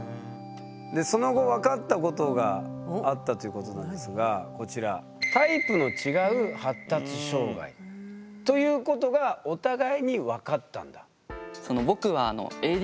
その後わかったことがあったということなんですがこちらということがお互いにわかったんだ？